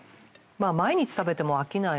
毎日食べても飽きない